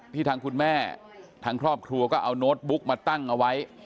ทางคุณแม่ทางครอบครัวก็เอาโน้ตบุ๊กมาตั้งเอาไว้